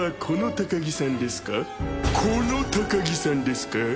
この高木さんですか？